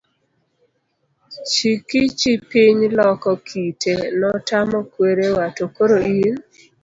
Chikichi piny loko kite ,notamo kwerewa, to koro in?